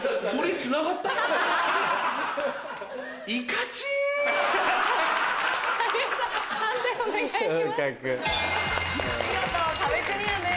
見事壁クリアです。